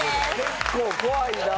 結構怖いなあ。